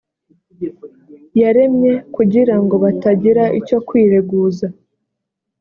yaremye kugira ngo batagira icyo kwireguza